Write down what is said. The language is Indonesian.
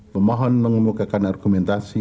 pemohon mengemukakan argumentasi